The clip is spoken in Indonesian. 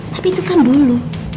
tapi itu kan dulu